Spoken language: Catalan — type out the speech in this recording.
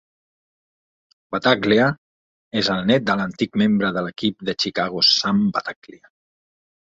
Battaglia és el nét de l'antic membre de l'Equip de Chicago Sam Battaglia.